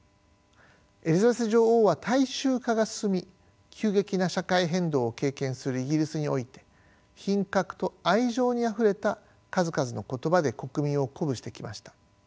エリザベス女王は大衆化が進み急激な社会変動を経験するイギリスにおいて品格と愛情にあふれた数々の言葉で国民を鼓舞してきました。